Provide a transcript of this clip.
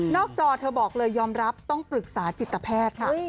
จอเธอบอกเลยยอมรับต้องปรึกษาจิตแพทย์ค่ะ